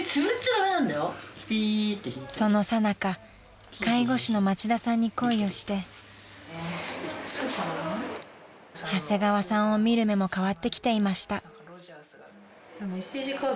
［そのさなか介護士の町田さんに恋をして長谷川さんを見る目も変わってきていました］